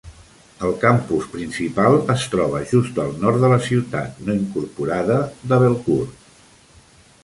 El campus principal es troba just al nord de la ciutat no incorporada de Belcourt.